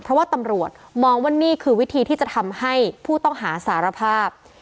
เพราะว่าตำรวจมองว่านี่คือวิธีที่จะทำให้ผู้ต้องหาสารภาพ